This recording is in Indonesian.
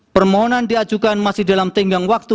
permohonan diajukan masih dalam tenggang waktu